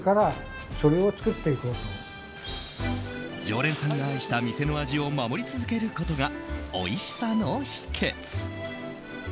常連さんが愛した店の味を守り続けることがおいしさの秘訣。